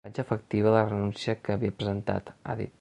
Faig efectiva la renúncia que havia presentat, ha dit.